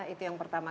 itu yang pertama